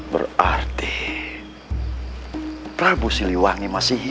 berarti prabu siliwangi masih hidup